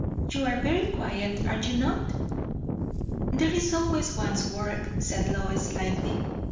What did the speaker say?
"You are very quiet, are you not?" "There is always one's work," said Lois lightly.